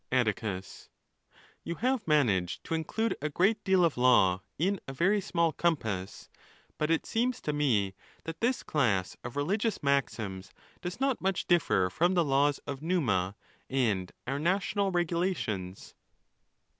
X. Atticus.—You have managed to include a great deal of law in a very small compass 5 but it seems to me, that this class of religious maxims does not much differ from the laws of Numa and our national regulations.